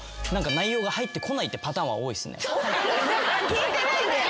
聞いてないんだよ。